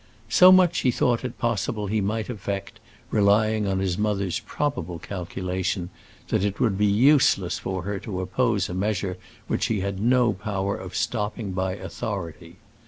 So much he thought it possible he might effect, relying on his mother's probable calculation that it would be useless for her to oppose a measure which she had no power of stopping by authority.